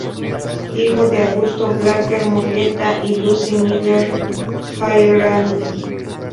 Hijo de Augusto Blacker Murrieta y Lucy Miller Airaldi.